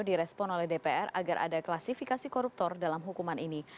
direspon oleh dpr agar ada klasifikasi koruptor dalam hukuman ini